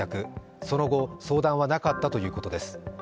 その後、相談はなかったということです。